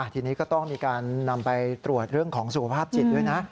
ทีนี้ก็ต้องมีการนำไปตรวจเรื่องของสุขภาพจิตด้วยนะ